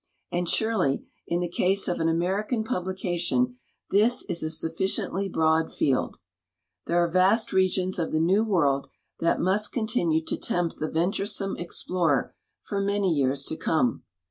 And surely in the case of an American publication tins is a sufficient!}'' broad field. There are vast regions of the New World that must con tinue to tempt the venturesome explorer for many years to come.